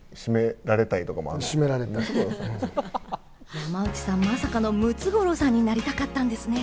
山内さん、まさかのムツゴロウさんになりたかったんですね。